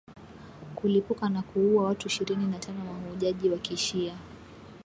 kulipuka na kuua watu ishirini na tano mahujaji wa kishia